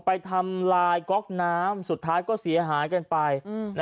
ทำลายก๊อกน้ำสุดท้ายก็เสียหายกันไป